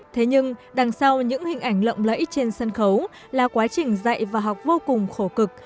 thế nhưng đằng sau những hình ảnh lộng lẫy trên sân khấu là quá trình dạy và học vô cùng khổ cực